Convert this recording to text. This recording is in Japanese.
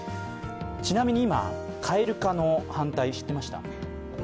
ちなみに今、蛙化の反対、知ってました？